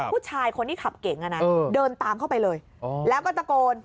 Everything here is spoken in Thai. ผู้ชายคนที่ขับเก่งเดินตามเข้าไปเลยแล้วก็ตะโกน